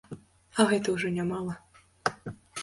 А гэта ўжо нямала.